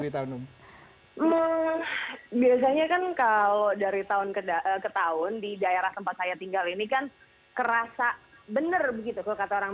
kan kalau dari tahun ke tahun di daerah tempat ayo tinggal ini kan kerasa bener begitu kata orang